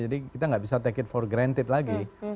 jadi kita nggak bisa take it for granted lagi